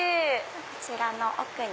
こちらの奥に。